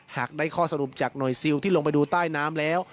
หากได้ข้อสรุปจากหน่วยซิลที่ลงไปดูใต้น้ำแล้ว